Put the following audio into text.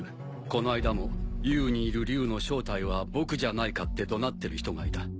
この間もＵにいる竜の正体は僕じゃないかって怒鳴ってる人がいた。